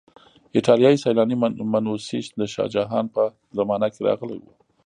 ایټالیایی سیلانی منوسي د شاه جهان په زمانه کې راغلی و.